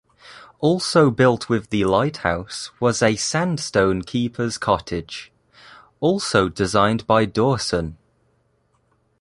Also built with the lighthouse was a sandstone keeper's cottage, also designed by Dawson.